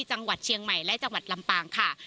จังหวัดเชียงใหม่และจังหวัดลำปางค่ะ